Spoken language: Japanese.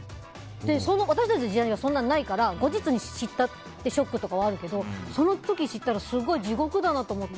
私たちの時代はそんなのないから後日に知ってショックとかはあるけどその時、知ったら地獄だなって思って。